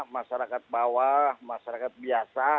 masyarakat bawah masyarakat biasa